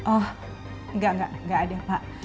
oh enggak enggak ada pak